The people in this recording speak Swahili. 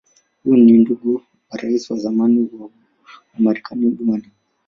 Huyu ni ndugu wa Rais wa zamani wa Marekani Bw.